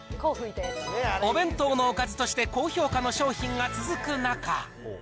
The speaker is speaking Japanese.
お弁当のおかずとして高評価の商品が続く中。